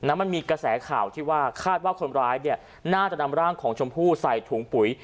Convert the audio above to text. มันมีกระแสข่าวที่ว่าคาดว่าคนร้ายเนี่ยน่าจะนำร่างของชมพู่ใส่ถุงปุ๋ย